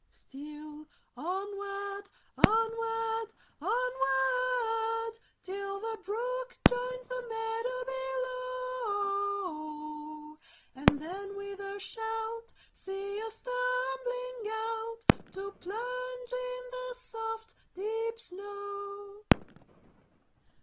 Still onward, onward, onward! Till the brook joins the meadow below, And then with a shout, see us tumbling out, To plunge in the soft, deep snow.